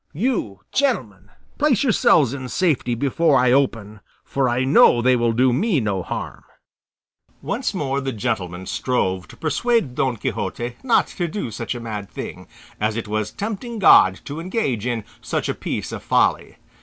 You, gentlemen, place yourselves in safety before I open, for I know they will do me no harm." Once more the gentleman strove to persuade Don Quixote not to do such a mad thing, as it was tempting God to engage in such a piece of folly.